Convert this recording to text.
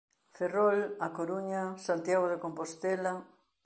Ferrol, A Coruña, Santiago de Compostela